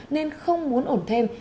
nên không muốn ổn thêm